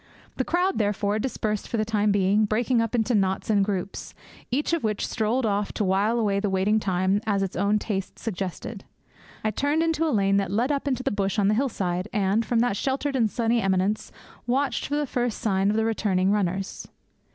The crowd, therefore, dispersed for the time being, breaking up into knots and groups, each of which strolled off to while away the waiting time as its own taste suggested. I turned into a lane that led up into the bush on the hillside, and, from that sheltered and sunny eminence, watched for the first sign of the returning runners.